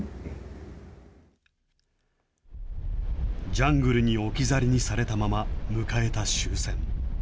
ジャングルに置き去りにされたまま迎えた終戦。